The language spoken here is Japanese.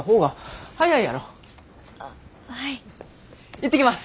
行ってきます。